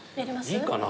いいかな？